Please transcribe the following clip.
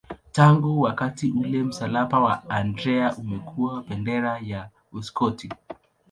Tangu wakati ule msalaba wa Andrea umekuwa bendera ya Uskoti.